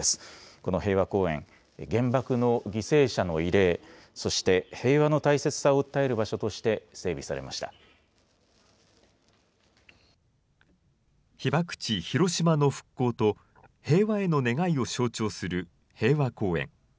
この平和公園、原爆の犠牲者の慰霊、そして平和の大切さを訴える被爆地、広島の復興と平和への願いを象徴する平和公園。